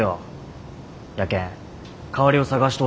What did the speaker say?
やけん代わりを探しとうと。